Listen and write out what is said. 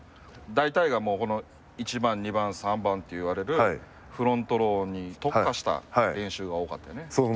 大体が、この１番２番、３番っていわれるフロントローに特化した練習が多かったよね。